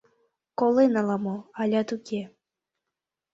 Колен ала-мо, алят уке.